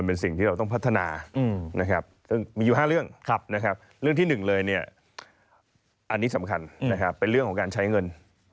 เป็นเรื่องของการใช้เงิน